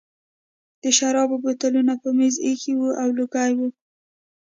د شرابو بوتلونه په مېز ایښي وو او لوګي وو